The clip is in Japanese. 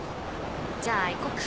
じゃあ行こっか。